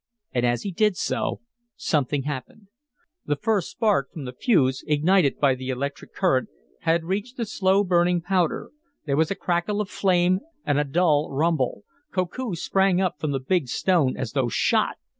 And, as he did so, something happened. The first spark from the fuse, ignited by the electric current, had reached the slow burning powder. There was a crackle of flame, and a dull rumble. Koku sprang up from the big stone as though shot.